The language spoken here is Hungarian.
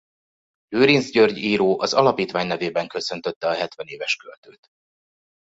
Lőrincz György író az alapítvány nevében köszöntötte a hetvenéves költőt.